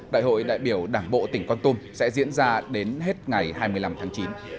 đại hội đại biểu đảng bộ tỉnh con tum sẽ diễn ra đến hết ngày hai mươi năm tháng chín